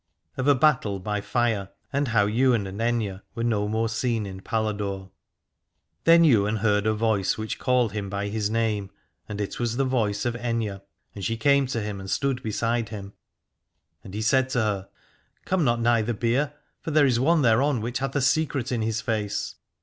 OF A BATTLE BY FIRE AND HOW YWAIN AND AITHNE WERE NO MORE SEEN IN PALADORE. Then Ywain heard a voice which called him by his name, and it was the voice of Aithne, and she came to him and stood beside him. And he said to her: Come not nigh the bier, for there is one thereon which hath a secret in his face.